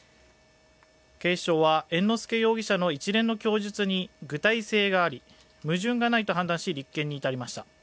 警視庁は猿之助容疑者の一連の供述に具体性があり、矛盾がないと判断し、立件に至りました。